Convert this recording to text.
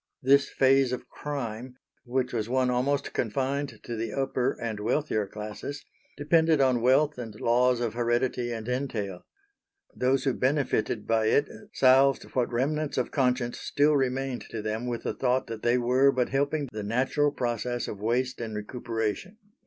This phase of crime, which was one almost confined to the upper and wealthier classes, depended on wealth and laws of heredity and entail. Those who benefited by it salved what remnants of conscience still remained to them with the thought that they were but helping the natural process of waste and recuperation.